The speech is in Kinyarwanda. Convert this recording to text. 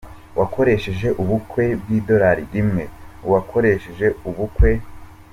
wakoresheje ubukwe bw’idolari rimwe. Uwakoresheje ubukwe